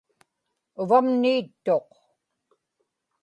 uvamni ittuq